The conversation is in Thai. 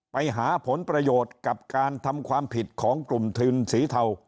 ไปหาผลประโยชน์กับการทำความผิดของกลุ่มทุนสีเทา